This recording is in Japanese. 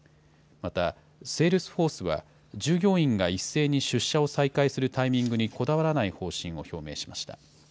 また、セールスフォースは、従業員が一斉に出社を再開するタイミングにこだわらない方針を表明しました。